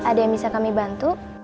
ada yang bisa kami bantu